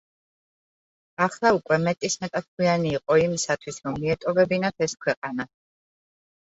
ახლა უკვე მეტისმეტად გვიანი იყო იმისათვის, რომ მიეტოვებინათ ეს ქვეყანა.